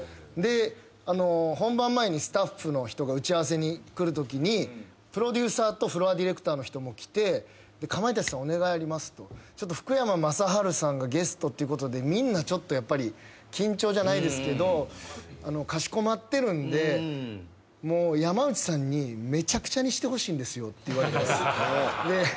で本番前にスタッフの人が打ち合わせに来るときにプロデューサーとフロアディレクターの人も来てかまいたちさんお願いありますと福山雅治さんがゲストっていうことでみんなちょっとやっぱり緊張じゃないですけどかしこまってるんで山内さんにめちゃくちゃにしてほしいんですよって言われたんです。